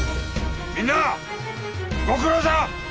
みんなご苦労さん！